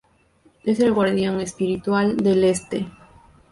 Es el Guardián Espiritual del Este.